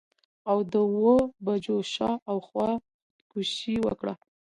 او د اووه بجو شا او خوا خودکشي وکړه.